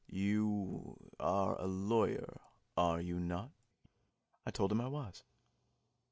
You are a lawyer, are you not?" I told him I was.